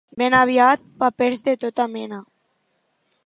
Ben aviat, papers de tota mena.